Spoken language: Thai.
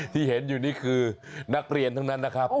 ที่เห็นอยู่นี่คือนักเรียนทั้งนั้นนะครับ